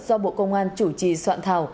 do bộ công an chủ trì soạn thảo